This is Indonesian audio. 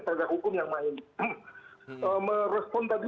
penegak hukum yang main merespon tadi